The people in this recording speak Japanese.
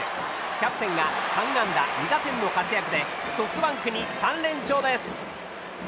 キャプテンが３安打２打点の活躍でソフトバンクに３連勝です。